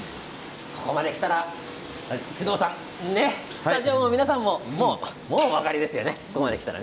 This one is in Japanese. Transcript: ここまできたらスタジオの皆さんももうお分かりですよね。